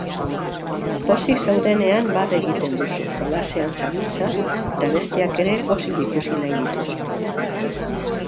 Pozik zaudenean barre egiten duzu, jolasean zabiltza eta besteak ere pozik ikusi nahi dituzu.